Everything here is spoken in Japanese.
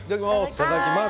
いただきます。